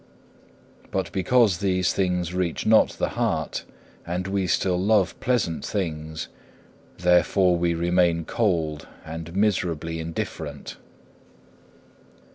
But because these things reach not the heart, and we still love pleasant things, therefore we remain cold and miserably indifferent.